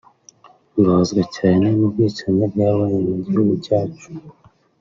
Mbabazwa cyane n’ubwicanyi bwabaye mu gihugu cyacu